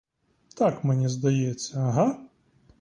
Так мені здається, га?